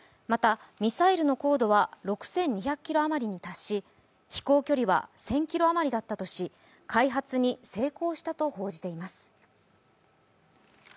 また、ミサイルの高度は６２００キロあまりに達し、飛行距離は１０００ｋｍあまりだったとし、開発に成功したと報じています。